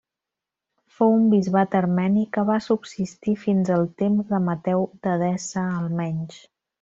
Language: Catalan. Fou un bisbat armeni que va subsistir fins al temps de Mateu d'Edessa almenys.